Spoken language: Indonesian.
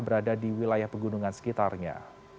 berada di wilayah pegunungan sekitarnya